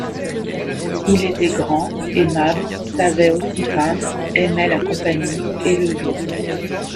Il était grand, aimable, savait aussi peindre, aimait la compagnie et le jeu.